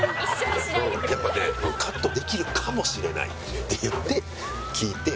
やっぱねカットできるかもしれないっていって聞いて。